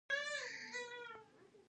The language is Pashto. نا امیدي باید انسان مات نه کړي.